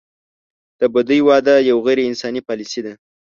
د بدۍ واده یوه غیر انساني پالیسي ده.